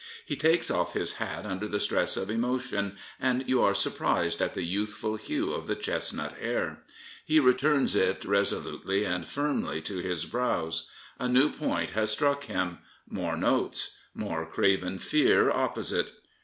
He takes off his hat under the stress of emotion, and you are sur prised at the youthful hue of the chestnut hair. He returns it resolutely and firmly to his brows. A new point has struck him: more notes: more craven fear opposite.